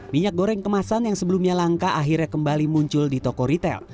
minyak goreng kemasan yang sebelumnya langka akhirnya kembali muncul di toko ritel